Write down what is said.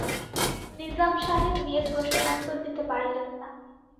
নিজাম সাহেব মেয়ের প্রশ্নের উত্তর দিতে পারলেন না।